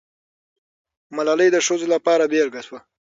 ملالۍ د ښځو لپاره بېلګه سوه.